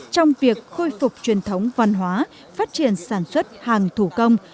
trong việc khôi phục truyền thống văn hóa phát triển sản xuất hàng thủ công